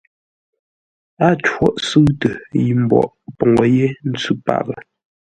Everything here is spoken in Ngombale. Á cwôʼ sʉ̂ʉtə yi mbwoʼ poŋə yé ntsʉ paghʼə.